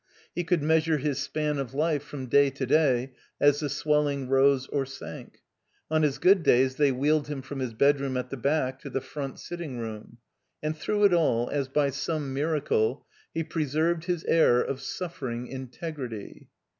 He could measure his span of life from day to day as the swelling rose or sank. On his good days they wheeled him from his bedroom at the back to the front sitting room. And through it all, as by some miracle, he pre served his air of suffering integrity.